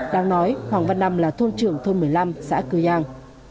đang nói hoàng văn nam là thôn trưởng thôn một mươi năm xã cư giang